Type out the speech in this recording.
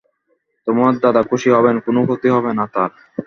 তোমার দাদা খুশি হবেন, কোনো ক্ষতি হবে না তাঁর।